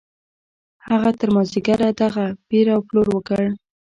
هغه تر مازديګره دغه پېر او پلور وکړ.